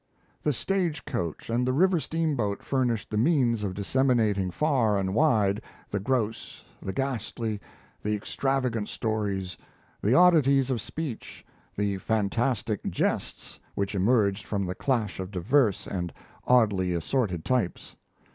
The stage coach and the river steamboat furnished the means for disseminating far and wide the gross, the ghastly, the extravagant stories, the oddities of speech, the fantastic jests which emerged from the clash of diverse and oddly assorted types.